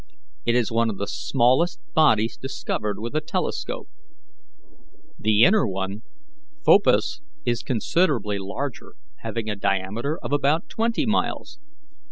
It is one of the smallest bodies discovered with a telescope. The inner one, Phobos, is considerably larger, having a diameter of about twenty miles.